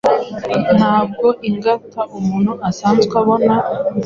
Ntabwo ingata umuntu asanzwe aboha,